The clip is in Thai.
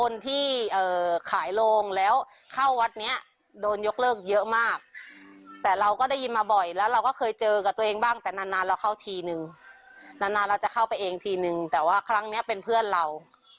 เราจะเข้าไปเองทีนึงแต่ว่าครั้งนี้เป็นเพื่อนเรา